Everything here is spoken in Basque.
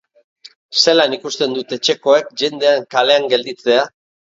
Zelan ikusten dute etxekoek jendeak kalean gelditzea?